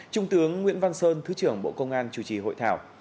trung tướng nguyễn văn sơn thứ trưởng bộ công an chủ trì hội thảo